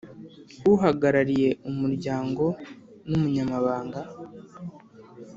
Uhagarariye umuryango n Umunyamabanga